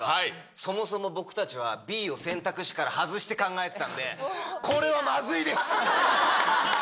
そもそも僕たちはＢを選択肢から外して考えてたんで、これはまずいです。